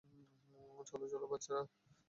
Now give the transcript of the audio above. চলো চলো, বাচ্চারা!